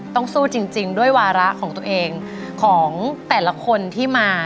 ต้องสู้จริงด้วยวาระของตัวเองของแต่ละคนที่มา